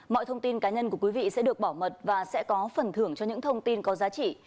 mọi thông tin cá nhân của quý vị sẽ được bảo mật và sẽ có phần thưởng cho những thông tin có giá trị